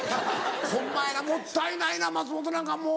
お前らもったいないな松本なんかもう。